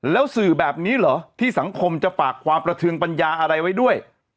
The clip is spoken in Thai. แล้วสื่อแบบนี้เหรอที่สังคมจะฝากความประเทืองปัญญาอะไรไว้ด้วย